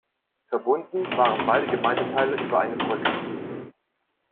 Verbunden waren beide Gemeindeteile über eine Brücke.